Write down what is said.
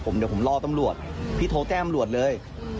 เดี๋ยวผมรอตำรวจพี่โทรแจ้งตำรวจเลย